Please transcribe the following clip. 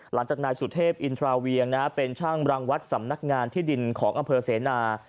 หลังจากนายสุเทพอินทราเวียงเป็นช่างรังวัดสำนักงานที่ดินของอำเภอเสนา